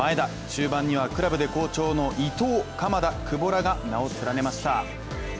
中盤にはクラブで好調の伊東、鎌田、久保らが名を連ねました。